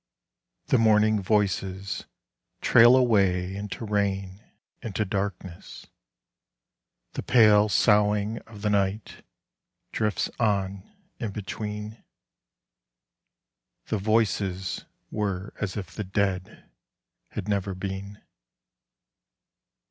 The mourning voices trail Away into rain, into darkness ... the pale Soughing of the night drifts on in between. _The Voices were as if the dead had never been.